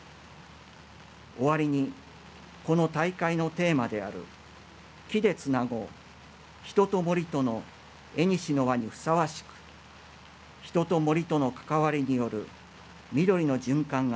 終わりにこの大会のテーマである「木でつなごう人と森との縁の輪」にふさわしく人と森との関わりによる緑の循環が